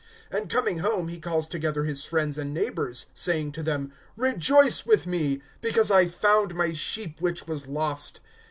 (6)And coming home, he calls together his friends and neighbors, saying to them: Rejoice with me; because I found my sheep which was lost.